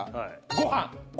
ご飯？